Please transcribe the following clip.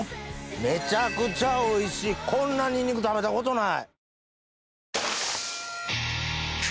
めちゃくちゃおいしいこんなニンニク食べたことない。